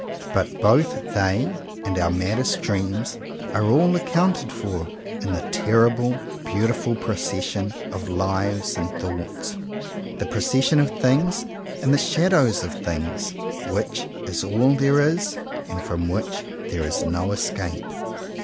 But both they and our maddest dreams are all accounted for in the terrible, beautiful procession of lives and thoughts; — the procession of things and the shadows of things, which is all there is, and from which there is no escape.